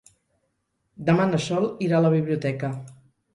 Demà na Sol irà a la biblioteca.